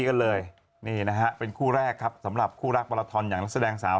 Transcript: กันเลยนี่นะฮะเป็นคู่แรกครับสำหรับคู่รักมาราทอนอย่างนักแสดงสาว